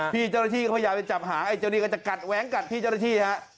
พี่เจ้าหน้าที่ก็พยายามไปจับหาไอ้เจ้านี่ก็จะกัดแว้งกัดพี่เจ้าหน้าที่ฮะ